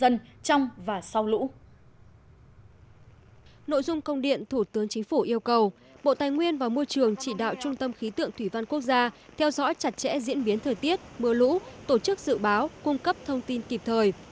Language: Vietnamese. nội dung công điện thủ tướng chính phủ yêu cầu bộ tài nguyên và môi trường chỉ đạo trung tâm khí tượng thủy văn quốc gia theo dõi chặt chẽ diễn biến thời tiết mưa lũ tổ chức dự báo cung cấp thông tin kịp thời